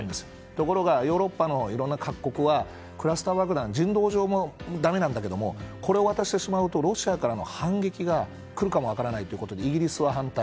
ところが、ヨーロッパの各国はクラスター爆弾は人道上もだめなんだけれどもこれを渡してしまうとロシアからの反撃が来るかもしれないとイギリスは反対。